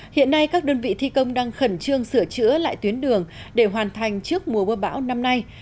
hiện nay các đơn vị thi công đang khẩn trương sửa chữa lại tuyến đường để hoàn thành trước mùa bơ bão năm nay